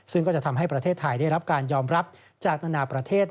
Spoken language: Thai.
ซึ่งก็จะทำให้ประเทศไทยได้รับการยอมรับจากนานาประเทศ